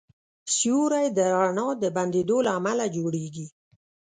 سیوری د رڼا د بندېدو له امله جوړېږي.